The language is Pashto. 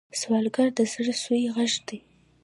سوالګر د زړه سوې غږ دی